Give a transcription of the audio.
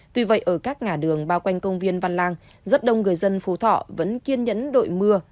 tuy vậy ở các ngã đường bao quanh công viên văn lang rất đông người dân phú thọ vẫn kiên nhẫn đội mưa